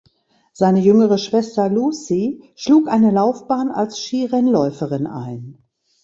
Seine jüngere Schwester Lucie schlug eine Laufbahn als Skirennläuferin ein.